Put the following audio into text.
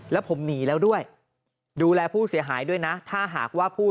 แล้วผมหนีแล้วด้วยดูแลผู้เสียหายด้วยนะถ้าหากว่าผู้